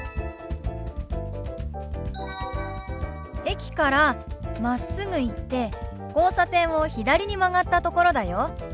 駅からまっすぐ行って交差点を左に曲がったところだよ。